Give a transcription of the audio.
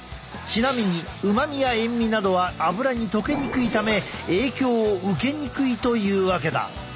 ちなみに旨味や塩味などはアブラに溶けにくいため影響を受けにくいというわけだ。